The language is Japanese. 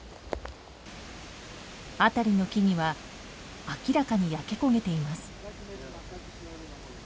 辺りの木々は明らかに焼け焦げています。